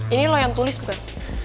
ini lo yang tulis bukan